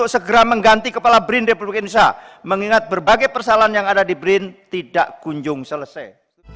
segera mengganti kepala brin republik indonesia mengingat berbagai persoalan yang ada di brin tidak kunjung selesai